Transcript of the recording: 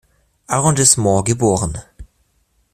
Arrondissement geboren.